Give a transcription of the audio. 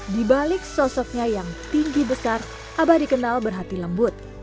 di balik sosoknya yang tinggi besar abah dikenal berhati lembut